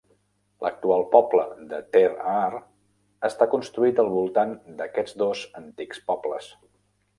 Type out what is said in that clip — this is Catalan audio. L'actual poble de Ter Aar està construït al voltant d'aquests dos antics pobles.